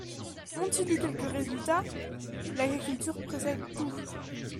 Ont-ils eu quelques résultats ? L'agriculture précède tout.